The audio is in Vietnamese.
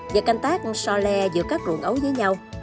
và canh tác so le giữa các ruộng ấu với nhau